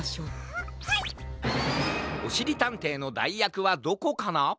おしりたんていのだいやくはどこかな？